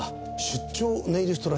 出張ネイリスト？